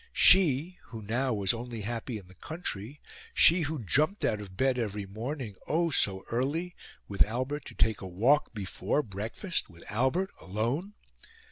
She who now was only happy in the country, she who jumped out of bed every morning oh, so early! with Albert, to take a walk, before breakfast, with Albert alone!